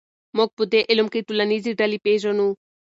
موږ په دې علم کې ټولنیزې ډلې پېژنو.